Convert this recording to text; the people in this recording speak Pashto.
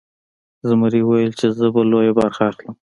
زمري ویل چې زه به لویه برخه اخلم.